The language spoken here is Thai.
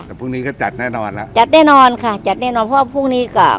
แต่พรุ่งนี้ก็จัดแน่นอนแล้วจัดแน่นอนค่ะจัดแน่นอนเพราะว่าพรุ่งนี้ก็